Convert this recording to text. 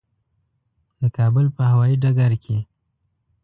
د کابل په هوایي ډګر کې.